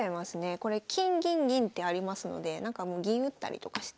これ金銀銀ってありますのでなんかもう銀打ったりとかして。